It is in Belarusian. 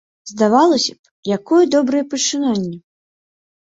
Здавалася б, якое добрае пачынанне.